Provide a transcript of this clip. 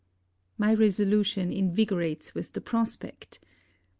My resolution envigorates with the prospect!